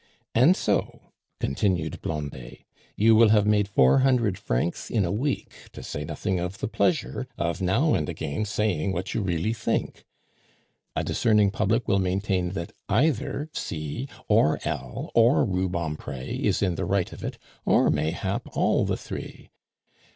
"And so," continued Blondet, "you will have made four hundred francs in a week, to say nothing of the pleasure of now and again saying what you really think. A discerning public will maintain that either C or L or Rubempre is in the right of it, or mayhap all the three.